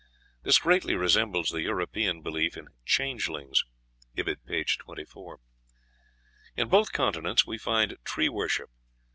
This greatly resembles the European belief in "changelings." (Ibid., p. 24.) In both continents we find tree worship.